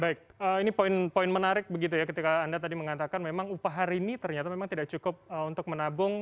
baik ini poin poin menarik begitu ya ketika anda tadi mengatakan memang upah hari ini ternyata memang tidak cukup untuk menabung